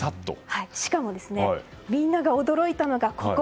しかも、みんなが驚いたのがここ。